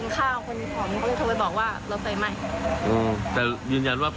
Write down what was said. ชื่อโน่งม่ะ